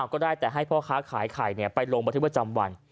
ก็ได้แต่ให้พ่อค้าขายไข่ไปลงบันทึกประจำวัน